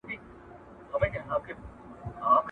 له تارونو جوړوي درته تورونه ..